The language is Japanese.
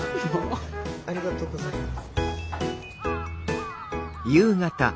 ありがとうございます。